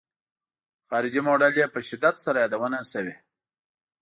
خارجي موډل یې په شدت سره یادونه شوې.